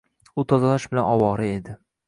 U tozalash bilan ovora edi.